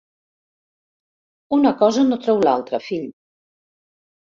Una cosa no treu l'altra, fill.